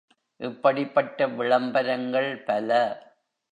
இப்படிப்பட்ட விளம்பரங்கள் பல.